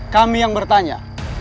kami yang bertanya